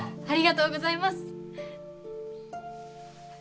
ありがとうございます！